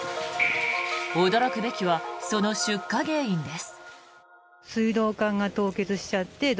驚くべきはその出火原因です。